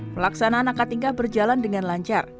melaksanaan ak tingkah berjalan dengan lancar